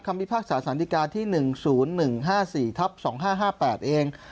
คัมภิพาคศาสนิกาที่๑๐๑๕๔๒๕๕๘เอง